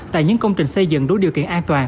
tại những công trình xây dựng đối với điều kiện an toàn